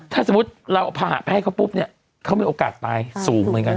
ถ้าสมมติเราผ่าไพ่เขาปุ๊บเนี่ยเขามีโอกาสไปสูงไว้กัน